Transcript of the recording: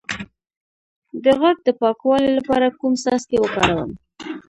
د غوږ د پاکوالي لپاره کوم څاڅکي وکاروم؟